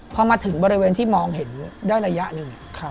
พอมาถึงบริเวณที่มองเห็นได้ระยะหนึ่ง